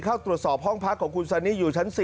เข้าตรวจสอบห้องพักของคุณซันนี่อยู่ชั้น๔